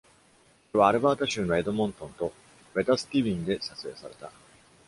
それはアルバータ州のエドモントンと Wetaskiwin で撮影された。